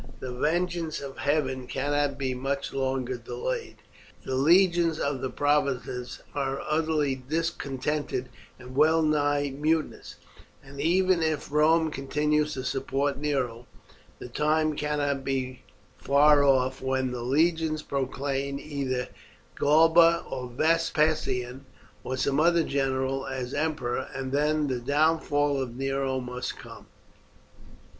The vengeance of heaven cannot be much longer delayed. The legions in the provinces are utterly discontented and well nigh mutinous, and even if Rome continues to support Nero the time cannot be far off when the legions proclaim either Galba, or Vespasian, or some other general, as emperor, and then the downfall of Nero must come.